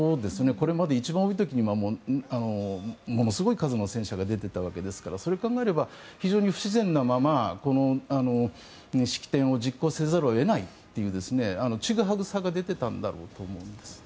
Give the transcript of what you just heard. これまで一番多い時にはものすごい数の戦車が出ていたわけですからそれを考えれば非常に不自然なまま式典を実行せざるを得ないというちぐはぐさが出てたんだろうと思います。